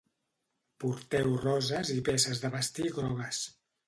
Porteu roses i peces de vestir grogues.